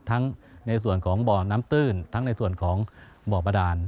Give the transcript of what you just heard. ในส่วนของบ่อน้ำตื้นทั้งในส่วนของบ่อบาดาน